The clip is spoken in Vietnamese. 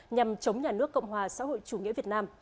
nhằm chống nhà nước cộng hòa xã hội chủ nghĩa việt nam